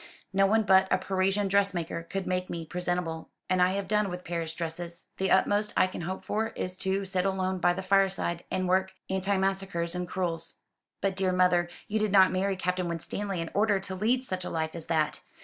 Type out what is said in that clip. No one but a Parisian dressmaker could make me presentable; and I have done with Paris dresses. The utmost I can hope for is to sit alone by the fireside, and work antimacassars in crewels." "But, dear mother, you did not marry Captain Winstanley in order to lead such a life as that?